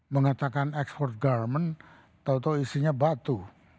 mengatakan ekspor garmen tau tau isinya batu